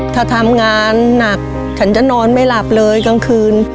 ถ้าทำงานหนักฉันจะนอนไม่หลับเลยกลางคืน